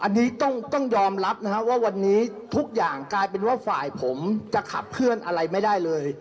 อันนี้ต้องยอมรับนะครับว่าวันนี้ทุกอย่างกลายเป็นว่าฝ่ายผมจะขับเคลื่อนอะไรไม่ได้เลย